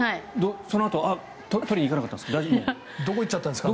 そのあと取りにいかなかったんですか？